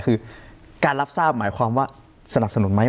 คือการรับทราบหมายความว่าสนับสนุนไหม